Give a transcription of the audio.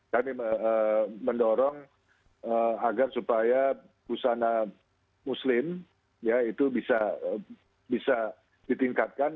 kami mendorong agar supaya pusana muslim itu bisa ditingkatkan